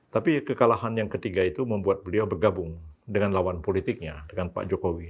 tapi kekalahan yang ketiga itu membuat beliau bergabung dengan lawan politiknya dengan pak jokowi